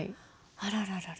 あらららら。